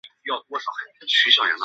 他在帕德龙的故居已辟为纪念馆。